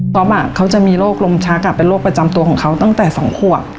ป๊อปเขาจะมีโรคลมชักเป็นโรคประจำตัวของเขาตั้งแต่๒ขวบ